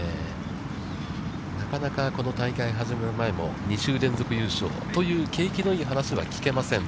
なかなか、この大会が始まる前も２週連続優勝という、景気のいい話は聞けません。